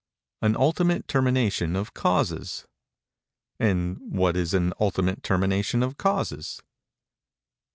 An ultimate termination of causes. And what is an ultimate termination of causes?